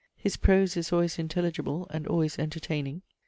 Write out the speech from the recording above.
His prose is always intelligible and always entertaining.